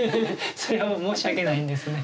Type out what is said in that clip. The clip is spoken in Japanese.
それは申し訳ないんですね。